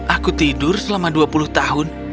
aku tidur selama dua puluh tahun